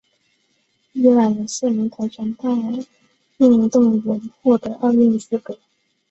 伊朗有四名跆拳道运动员获得奥运资格。